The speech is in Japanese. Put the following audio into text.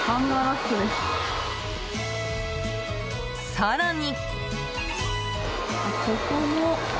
更に。